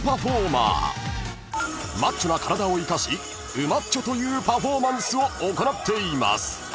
［マッチョな体を生かしウマッチョというパフォーマンスを行っています］